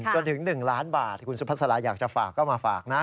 จนถึง๑ล้านบาทคุณสุภาษาลาอยากจะฝากก็มาฝากนะ